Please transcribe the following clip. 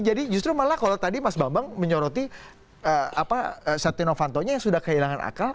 jadi justru malah kalau tadi mas bambang menyoroti setia novantonya yang sudah kehilangan akal